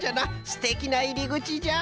すてきないりぐちじゃ！